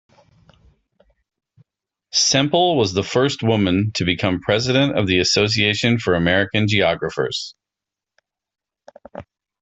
Semple was the first woman to become president of the Association for American Geographers.